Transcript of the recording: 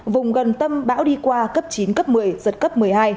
vùng gần tâm bão đi qua cấp chín cấp một mươi giật cấp một mươi hai